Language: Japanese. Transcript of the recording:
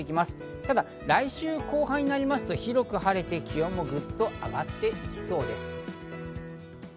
ただ来週後半になりますと広く晴れて気温もぐっと上がっていきそうです。